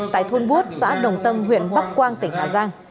tại thôn bút xã đồng tâm huyện bắc quang tỉnh hà giang